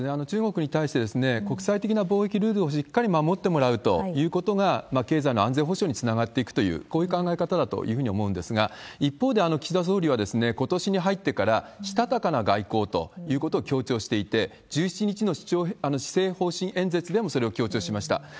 中国に対して、国際的な貿易ルールをしっかり守ってもらうということが、経済の安全保障につながっていくという、こういう考え方だと思うんですが、一方で岸田総理は、ことしに入ってから、したたかな外交ということを強調していて、１７日の施政方針演説でもそれを強調しました。